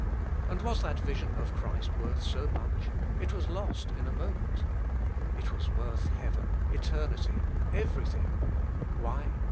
And was that vision of Christ worth so Jesus Himself. 35 much ? It was lost in a moment. It was worth heaven, eternity, everything. Why